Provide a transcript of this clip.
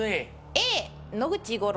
Ａ野口五郎。